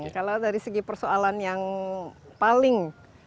kalau dari segi persoalan yang paling